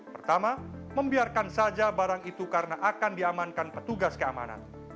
pertama membiarkan saja barang itu karena akan diamankan petugas keamanan